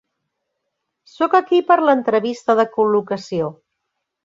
Soc aquí per l'entrevista de col·locació.